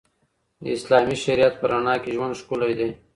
د اسلامي شریعت په رڼا کي ژوند ښکلی دی.